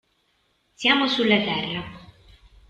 Siamo sulla terra.